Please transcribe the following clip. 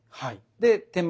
で手前